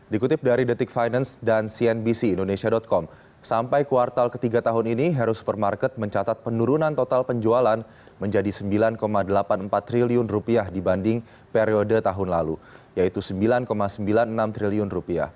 dikutip dari detik finance dan cnbc indonesia com sampai kuartal ketiga tahun ini hero supermarket mencatat penurunan total penjualan menjadi rp sembilan delapan puluh empat triliun dibanding periode tahun lalu yaitu rp sembilan sembilan puluh enam triliun